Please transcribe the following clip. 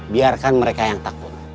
biarkan mereka yang takut